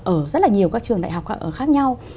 ở rất là nhiều các trường đại học khác nhau